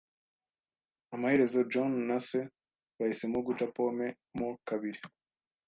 Amaherezo, John na Se bahisemo guca pome mo kabiri.